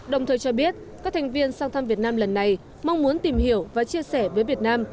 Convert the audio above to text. đồng thời cho biết các thành viên sang thăm việt nam lần này mong muốn tìm hiểu và chia sẻ với việt nam